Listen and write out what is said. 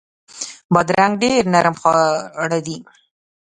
بادرنګ ډیر نرم خواړه دي.